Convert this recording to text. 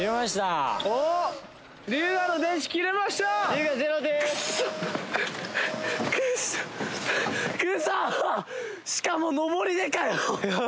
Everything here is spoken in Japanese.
しかも上りでかよ！